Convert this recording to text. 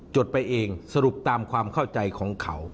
ดไปเองสรุปตามความเข้าใจของเขา